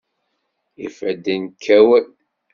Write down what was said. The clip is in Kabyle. Ifadden kkawen.